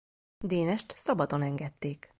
Dénest szabadon engedték.